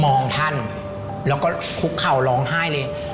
มองท่านแล้วก็คุกเข่าร้องไห้เลย